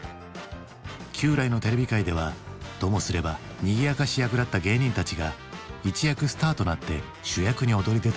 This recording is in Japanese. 旧来のテレビ界ではともすればにぎやかし役だった芸人たちが一躍スターとなって主役に躍り出たのだ。